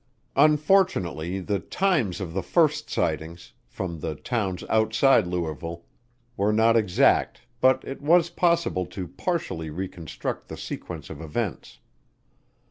Unfortunately the times of the first sightings, from the towns outside Louisville, were not exact but it was possible to partially reconstruct the sequence of events.